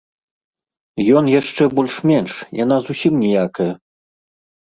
Ён яшчэ больш-менш, яна зусім ніякая.